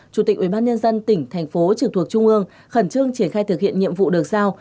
chủ tịch ubnd tỉnh thành phố trực thuộc trung ương khẩn trương triển khai thực hiện nhiệm vụ được giao